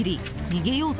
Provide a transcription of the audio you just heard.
逃げよう